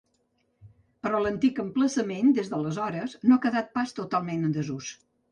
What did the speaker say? Però l’antic emplaçament, des d’aleshores, no ha quedat pas totalment en desús.